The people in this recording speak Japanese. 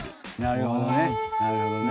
なるほどね。